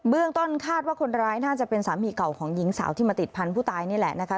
ต้นคาดว่าคนร้ายน่าจะเป็นสามีเก่าของหญิงสาวที่มาติดพันธุ์ตายนี่แหละนะคะ